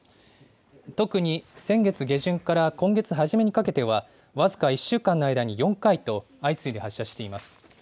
特に先月下旬から今月初めにかけては、僅か１週間の間に４回と、相次いで発射しています。